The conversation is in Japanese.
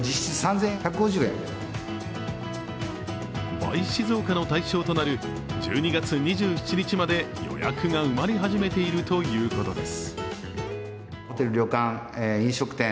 バイ・シズオカの対象となる１２月２７日まで予約が埋まり始めてるということです。